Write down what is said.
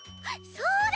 そうだ！